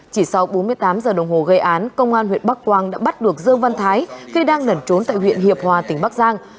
chỉ sau bốn mươi tám giờ đồng hồ gây án công an huyện bắc quang đã bắt được dương văn thái khi đang nẩn trốn tại huyện hiệp hòa tỉnh bắc giang